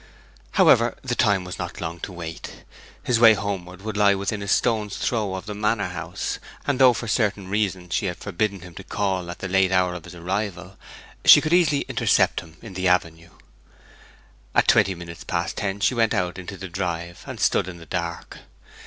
However, the time was not long to wait. His way homeward would lie within a stone's throw of the manor house, and though for certain reasons she had forbidden him to call at the late hour of his arrival, she could easily intercept him in the avenue. At twenty minutes past ten she went out into the drive, and stood in the dark.